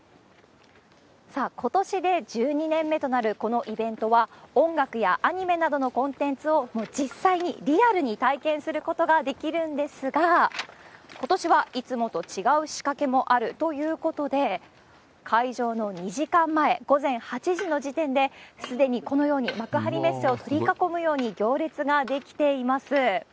さあ、ことしで１２年目となるこのイベントは、音楽やアニメなどのコンテンツを、実際にリアルに体験することができるんですが、ことしはいつもと違う仕掛けもあるということで、会場の２時間前、午前８時の時点で、すでにこのように幕張メッセを取り囲むように行列が出来ています。